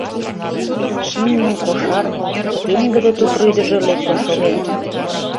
Имньын кошар, пеҥгыде тупрӱдыжӧ лектын шоген.